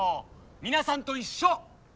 皆さんと一緒！